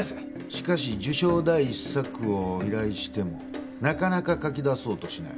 しかし受賞第一作を依頼してもなかなか書きだそうとしない。